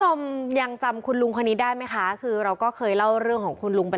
คุณผู้ชมยังจำคุณลุงคนนี้ได้ไหมคะคือเราก็เคยเล่าเรื่องของคุณลุงไป